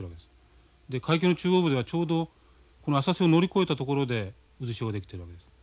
海峡の中央部ではちょうどこの浅瀬を乗り越えた所で渦潮が出来てるわけです。